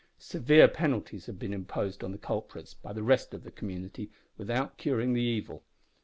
Severe penalties had been imposed on the culprits by the rest of the community without curing the evil.